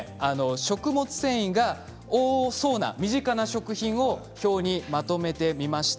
食物繊維が多そうな身近な食品を表にまとめてみました。